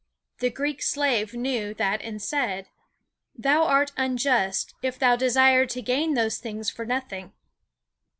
The Greek slave knew that and said: "Thou art unjust, if thou desire to gain those things for nothing."